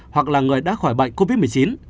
hoặc là người đã khỏi bệnh covid một mươi chín